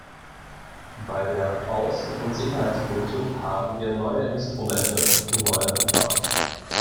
Bei der Außenund Sicherheitspolitik haben wir neue Instrumente und neue Verfahren.